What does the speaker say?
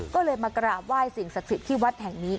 ก็เลยมากราบไหว้สิ่งศักดิ์สิทธิ์ที่วัดแห่งนี้